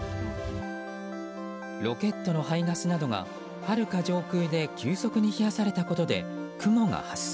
ロケットの排ガスなどがはるか上空で急速に冷やされたことで雲が発生。